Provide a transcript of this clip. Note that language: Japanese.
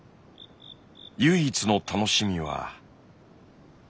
唯一の楽しみは。